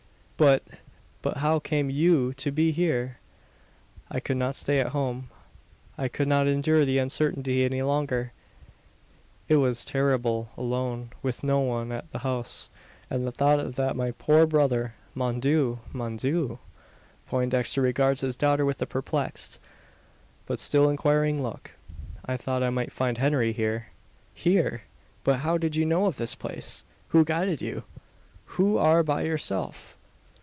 "But but, how came you to be here?" "I could not stay at home. I could not endure the uncertainty any longer. It was terrible alone, with no one at the house; and the thought that my poor brother Mon dieu! Mon dieu!" Poindexter regards his daughter with a perplexed, but still inquiring, look. "I thought I might find Henry here." "Here! But how did you know of this place? Who guided you? You are by yourself!"